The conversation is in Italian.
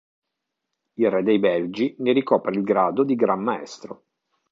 Il Re dei Belgi ne ricopre il grado di Gran Maestro.